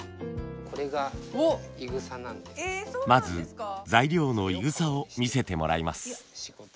まず材料のいぐさを見せてもらいます。